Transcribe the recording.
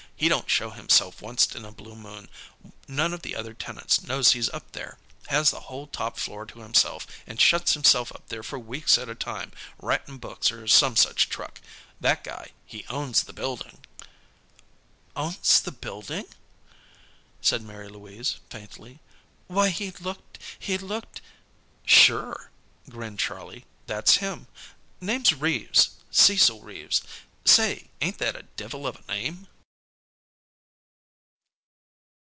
"He don't show himself onct in a blue moon. None of the other tenants knows he's up there. Has the whole top floor to himself, and shuts himself up there for weeks at a time, writin' books, or some such truck. That guy, he owns the building." "Owns the building!" said Mary Louise, faintly. "Why he looked he looked " "Sure," grinned Charlie. "That's him. Name's Reeves Cecil Reeves. Say, ain't that a divil of a name?"